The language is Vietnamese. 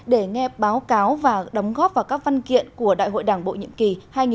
để nghe báo cáo và đóng góp vào các văn kiện của đại hội đảng bộ nhiệm kỳ hai nghìn hai mươi hai nghìn hai mươi năm